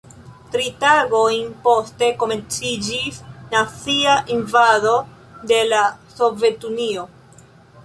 Tri tagojn poste komenciĝis nazia invado de la Sovetunio.